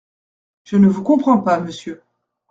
Je ne vous comprends pas, monsieur.